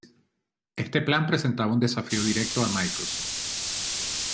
Este plan presentaba un desafío directo a Microsoft.